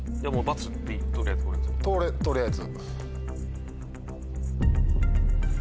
取りあえず。